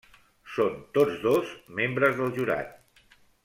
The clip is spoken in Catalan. Són tots dos membres del jurat.